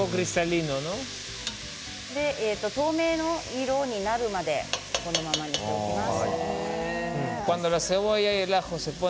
透明の色になるまでこのまま置いておきます。